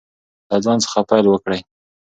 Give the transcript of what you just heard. له ځان څخه پیل وکړئ.